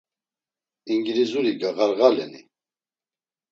İngilizuri gağarğaleni?